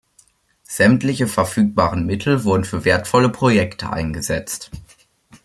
Sämtliche verfügbaren Mittel wurden für wertvolle Projekte eingesetzt.